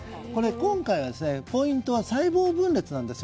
今回のポイントは細胞分裂なんです。